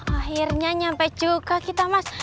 akhirnya nyampe juga kita mas